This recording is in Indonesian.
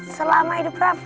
selama hidup raffi